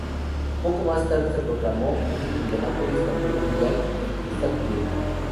Poco más tarde se proclamó en Indianápolis campeón mundial en pista cubierta.